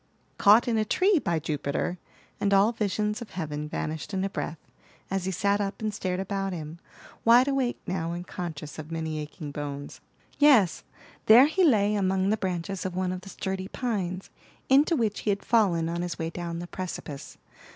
"Caught in a tree, by Jupiter!" and all visions of heaven vanished in a breath, as he sat up and stared about him, wide awake now, and conscious of many aching bones. Yes, there he lay among the branches of one of the sturdy pines, into which he had fallen on his way down the precipice.